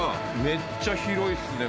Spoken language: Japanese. めっちゃ広いっすね